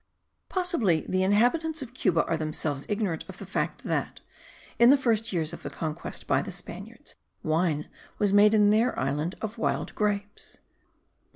Possibly the inhabitants of Cuba are themselves ignorant of the fact that, in the first years of the conquest by the Spaniards, wine was made in their island of wild grapes.